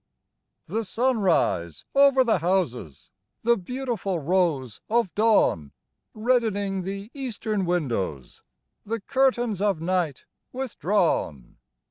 THE sunrise over the houses ! The beautiful rose of dawn Reddening the eastern windows, — The curtains of Night withdrawn